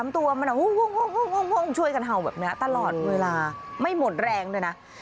ตัวมันห้องช่วยกันเห่าแบบนี้ตลอดเวลาไม่หมดแรงด้วยนะ